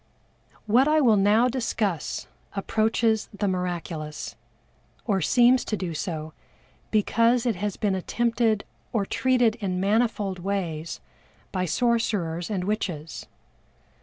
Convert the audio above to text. What I will now discuss approaches the miraculous, or seems to do so because it has been attempted or treated in manifold ways by sorcerers and witches.